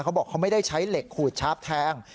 เขาบอกไม่ได้ใช้เหล็กขูดชาบแทง